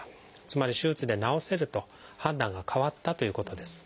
つまり手術で治せると判断が変わったということです。